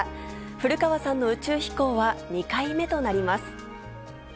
古川さんの宇宙飛行は２回目となります。